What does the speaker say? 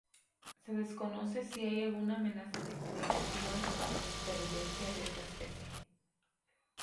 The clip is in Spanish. Se desconoce si hay alguna amenaza significativa para la supervivencia de esta especie.